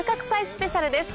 スペシャルです。